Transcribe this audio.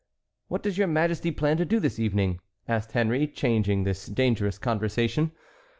"What does your Majesty plan to do this evening?" asked Henry, changing this dangerous conversation.